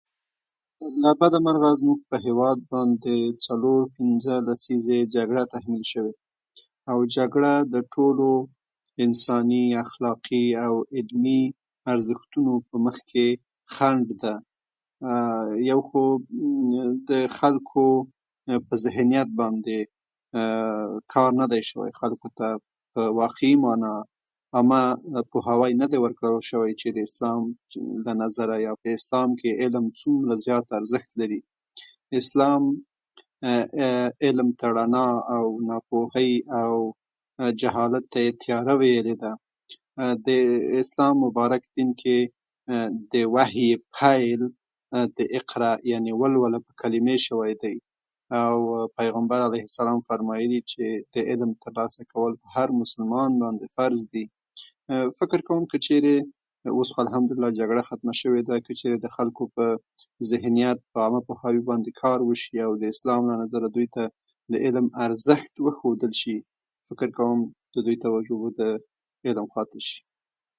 له بده مرغه زموږ په هېواد د څلورو، پنځه لسیزه جګړه تحمیل شوې، او جګړه د ټولو انساني، اخلاقي او ادبي ارزښتونو په مخکې خنډ ده. یو خو د خلکو په ذهنیت باندې کار نه دی شوی. خلکو ته یې واقعي معنی عامه پوهاوی نه دی ورکړل شوی چې د اسلام له نظره، یا په اسلام کې علم څومره زیات ارزښت لري. د اسلام علم ته رڼا، ناپوهۍ او جهالت ته یې تیاره ویلې ده، او د اسلام په مبارک دین کې د وحې پیل، یعنې د اقرا، یعنې ولوله، په کلیمې سره شوی دی. او پیغمبر علیه سلام فرمایلي چې علم ترلاسه کول په هر مسلمان باندې فرض دي. فکر کوم که چېرې اوس خو الحمدالله جګړه ختمه شوې، که چېرې د خلکو په ذهنیت، پوهاوي باندې کار وشي، او د اسلام له نظره د علم ارزښت وښودل شي، فکر کوم دوی توجه به د علم خواته شي.